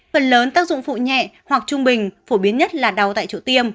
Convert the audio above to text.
phần lớn tác dụng phụ nhẹ hoặc trung bình phổ biến nhất là đau tại chỗ tiêm